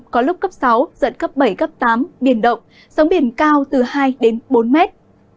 có lúc cấp sáu giật cấp bảy cấp tám biển động sóng biển cao từ hai đến bốn mét